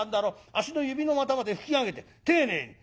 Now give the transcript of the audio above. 足の指の股まで拭き上げて丁寧にそう。